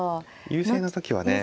優勢の時はね。